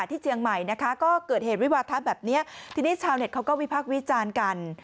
เจียงใหม่นะคะก็เกิดเหตุวิวาทะแบบนี้ทีนี้ชาวเน็ตเขาก็วิพักษ์วิจารณ์กัน